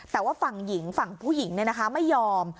แต่ว่าฝั่งหญิงฝั่งผู้หญิงไม่ยอม